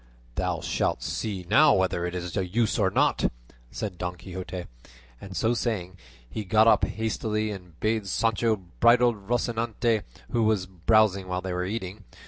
"Thou shalt see now whether it is of use or not," said Don Quixote; and so saying, he got up hastily and bade Sancho bridle Rocinante, who was browsing while they were eating.